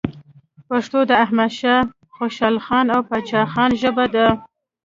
پښتو د احمد شاه خوشحالخان او پاچا خان ژبه ده.